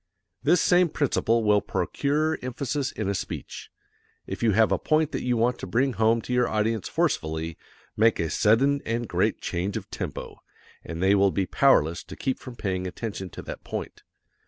This same principle will procure emphasis in a speech. If you have a point that you want to bring home to your audience forcefully, make a sudden and great change of tempo, and they will be powerless to keep from paying attention to that point.